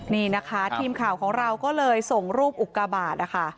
นี่นะคะทีมข่าวของเราก็เลยส่งรูปอุกาบาทนะคะ